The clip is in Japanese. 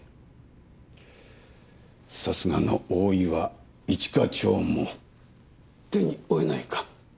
さすがの大岩一課長も手に負えないか？